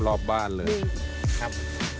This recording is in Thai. ขอบคุณสิครับ